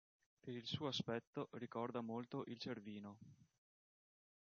Per il suo aspetto ricorda molto il Cervino.